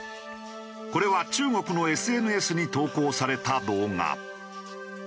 これは中国のＳＮＳに投稿された動画。